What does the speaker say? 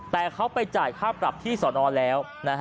แต่เขาไปจ่ายค่าปรับที่สอนอแล้ว